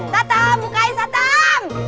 satam bukain satam